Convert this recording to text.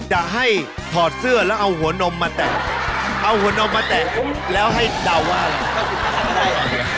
จะให้ถอดเสื้อแล้วเอาหัวนมมาแตะเอาหัวนมมาแตะแล้วให้เดาว่าอะไร